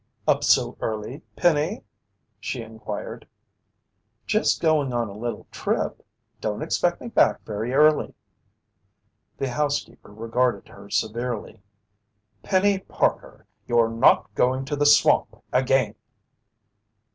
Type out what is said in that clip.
"Up so early, Penny?" she inquired. "Just going on a little trip. Don't expect me back very early." The housekeeper regarded her severely. "Penny Parker, you're not going to the swamp again!"